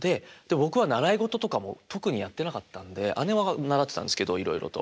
僕は習い事とかも特にやってなかったんで姉は習ってたんですけどいろいろと。